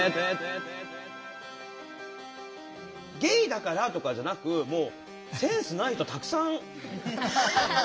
「ゲイだから」とかじゃなくもうセンスない人はたくさん。